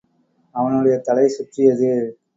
அவனுடைய தலை சுற்றியது.